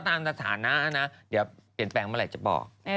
เดี๋ยวเปลี่ยนแฟรงมั้ยไหลจะบอก